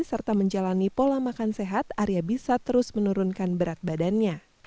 serta menjalani pola makan sehat arya bisa terus menurunkan berat badannya